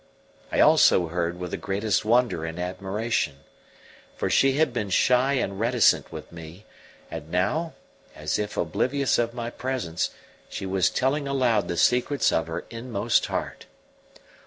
I also heard with the greatest wonder and admiration. For she had been shy and reticent with me, and now, as if oblivious of my presence, she was telling aloud the secrets of her inmost heart.